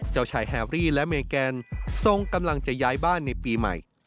เจ้าชายแฮรี่และเมแกนทรงกำลังจะย้ายบ้านในปีใหม่